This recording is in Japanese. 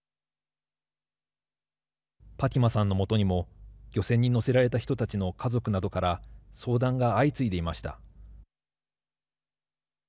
パティマさんの元にも漁船に乗せられた人たちの家族などから相談が相次いでいました。